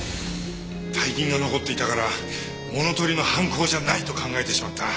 大金が残っていたから物盗りの犯行じゃないと考えてしまった。